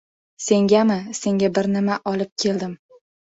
— Sengami, senga bir nima olib keldim!